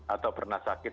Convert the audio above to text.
atau pernah sakit